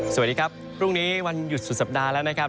สวัสดีครับพรุ่งนี้วันหยุดสุดสัปดาห์แล้วนะครับ